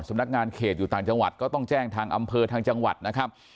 สำนักงานเขตอยู่ต่างจังหวัดก็ต้องแจ้งทางอำเภอทางจังหวัดนะครับ